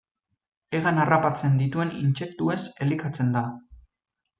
Hegan harrapatzen dituen intsektuez elikatzen da.